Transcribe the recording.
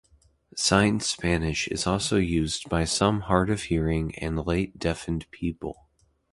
Signed Spanish is also used by some hard of hearing and late deafened people.